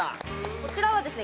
こちらはですね